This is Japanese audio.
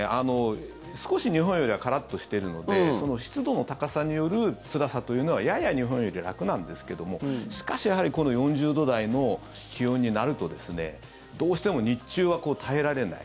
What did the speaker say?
少し日本よりはカラッとしているので湿度の高さによるつらさというのはやや日本よりは楽なんですけどもしかし、４０度台の気温になるとどうしても日中は耐えられない。